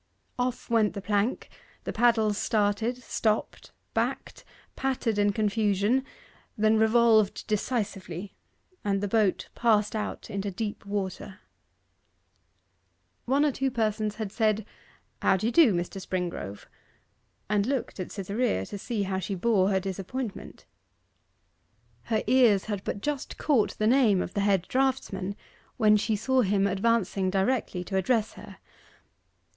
Off went the plank; the paddles started, stopped, backed, pattered in confusion, then revolved decisively, and the boat passed out into deep water. One or two persons had said, 'How d'ye do, Mr. Springrove?' and looked at Cytherea, to see how she bore her disappointment. Her ears had but just caught the name of the head draughtsman, when she saw him advancing directly to address her.